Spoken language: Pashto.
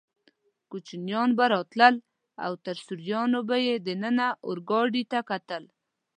کوچنیان به راتلل او تر سوریانو به یې دننه اورګاډي ته کتل.